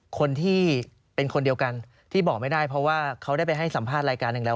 คนที่เป็นคนเดียวกันที่บอกไม่ได้เพราะว่าเขาได้ไปให้สัมภาษณ์รายการหนึ่งแล้ว